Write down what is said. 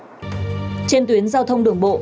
trên tuyến giao thông đường bộ